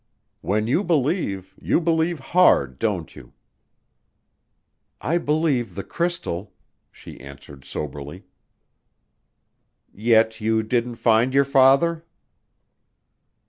"When you believe, you believe hard, don't you?" "I believe the crystal," she answered soberly. "Yet you didn't find your father?"